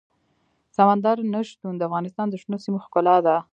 سمندر نه شتون د افغانستان د شنو سیمو ښکلا ده.